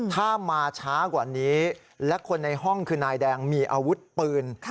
ถ้ามาช้ากว่านี้และคนในห้องคือนายแดงมีอาวุธปืน